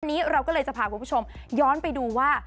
วันนี้เราก็เลยจะพาคุณผู้ชมย้อนไปดูว่า